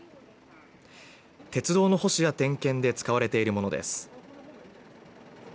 鉄道の保守や点検で使われているものです。